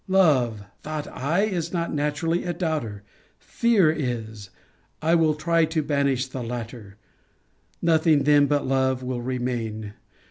LOVE, thought I, is not naturally a doubter: FEAR is, I will try to banish the latter: nothing then but love will remain.